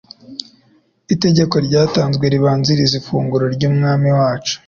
Itegeko ryatanzwe ribanziriza ifunguro ry'Umwami wacu,